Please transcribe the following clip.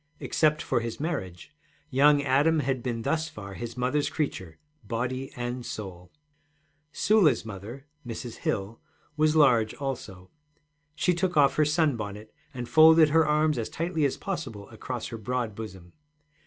Except for his marriage, young Adam had been thus far his mother's creature, body and soul. Sula's mother, Mrs. Hill, was large also. She took off her sunbonnet, and folded her arms as tightly as possible across her broad bosom.